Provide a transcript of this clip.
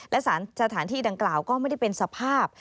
และสถานที่ดังกล่าวก็ไม่ได้เป็นสภาพ